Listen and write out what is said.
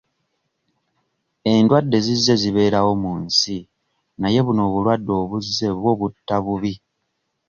Endwadde zizze zibeerawo mu nsi naye buno obulwadde obuzze bwo butta bubi.